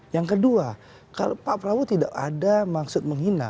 yang kedua kalau pak prabowo tidak ada maksud menghina